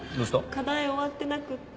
課題終わってなくって。